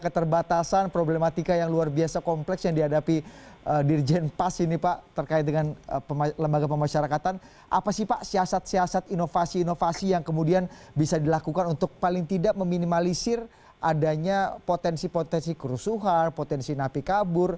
terima kasih pak siasat siasat inovasi inovasi yang kemudian bisa dilakukan untuk paling tidak meminimalisir adanya potensi potensi kerusuhan potensi napi kabur